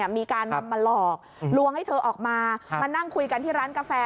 มีการมาหลอกลวงให้เธอออกมามานั่งคุยกันที่ร้านกาแฟ